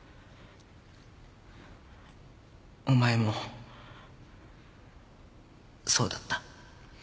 お前もそうだった。